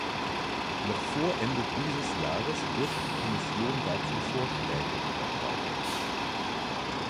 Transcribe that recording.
Noch vor Ende dieses Jahres wird die Kommission dazu Vorschläge unterbreiten.